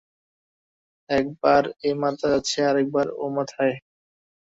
এক বার এ-মাথায় যাচ্ছে, আরেক বার ও-মাথায়।